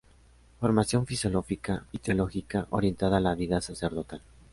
Formación filosófica y teológica orientada a la vida sacerdotal.